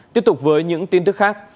tiếp tục với những tin tức khác